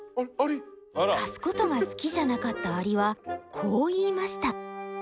貸すことが好きじゃなかったアリはこう言いました。